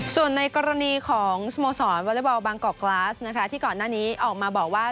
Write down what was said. ส่วนในกรณีของสโมสรวอเล็กบอลบางกอกกลาสนะคะที่ก่อนหน้านี้ออกมาบอกว่า